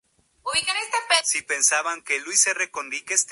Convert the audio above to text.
Zuazua e Ignacio Zaragoza.